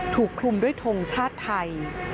ถูกคลุมด้วยทงชาติไทย